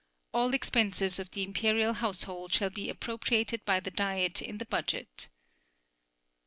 All expenses of the Imperial Household shall be appropriated by the Diet in the budget.